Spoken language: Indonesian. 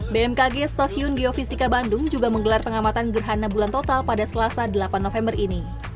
bmkg stasiun geofisika bandung juga menggelar pengamatan gerhana bulan total pada selasa delapan november ini